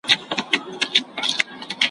ماشوم ویني په قلا کي توري، غشي، توپکونه `